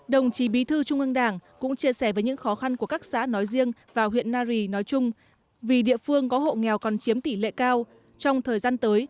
đồng chí bí thư trung ương đảng cũng chia sẻ với những khó khăn của các xã nói riêng và huyện nari nói chung vì địa phương có hộ nghèo còn chiếm tỷ lệ cao